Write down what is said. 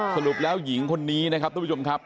สรุปแล้วหญิงคนนี้นะครับทุกผู้ชมครับ